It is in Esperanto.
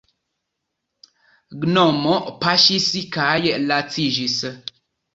Gnomo paŝis kaj laciĝis.